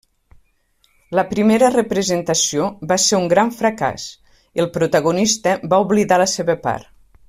La primera representació va ser un gran fracàs; el protagonista va oblidar la seva part.